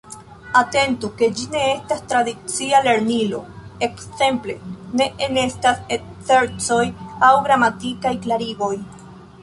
Atentu, ke ĝi ne estas tradicia lernilo: ekzemple, ne enestas ekzercoj aŭ gramatikaj klarigoj.